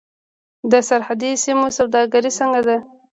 د سرحدي سیمو سوداګري څنګه ده؟